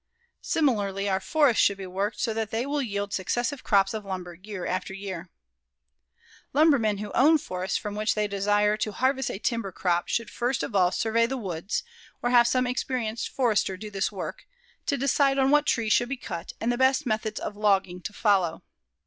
Similarly, our forests should be worked so that they will yield successive crops of lumber year after year. Lumbermen who own forests from which they desire to harvest a timber crop should first of all survey the woods, or have some experienced forester do this work, to decide on what trees should be cut and the best methods of logging to follow.